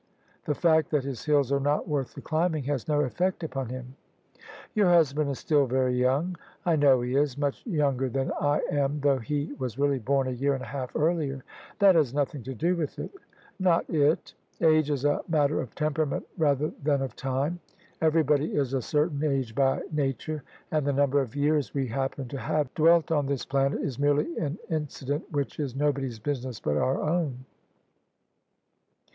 The fact that his hills are not worth the climbing has no effect upon him." " Your husband is still very young." " I know he is : much younger than I am, though he was really born a year and a half earlier." " That has nothing to do with it." " Not it I Age is a matter of temperament rather than of time. Everybody is a certain age by nature; and the number of years we happen to have dwelt on this planet is merely an incident which is nobody's business but our own.